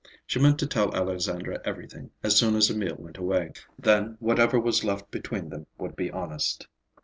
She meant to tell Alexandra everything, as soon as Emil went away. Then whatever was left between them would be honest.